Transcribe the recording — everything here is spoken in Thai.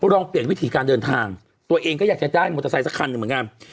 ลองเปลี่ยนวิถีการเดินทางตัวเองก็อยากจะได้มอเตอร์ไซค์สักคันหนึ่งเหมือนกัน